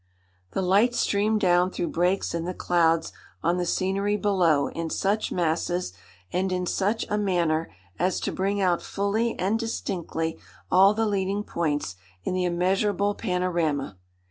"The light streamed down through breaks in the clouds on the scenery below in such masses, and in such a manner, as to bring out fully and distinctly all the leading points in the immeasurable panorama.